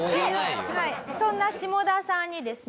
そんなシモダさんにですね